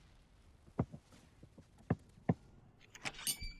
سر یې بند دی.